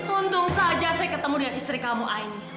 untung saja saya ketemu dengan istri kamu aini